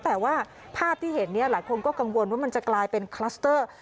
แต่ว่าภาพที่เห็นเนี่ยหลายคนก็กังวลว่ามันจะกลายเป็นคลัสเตอร์